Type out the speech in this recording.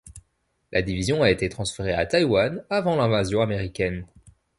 La Division a été transféré à Taiwan avant l'invasion américaine.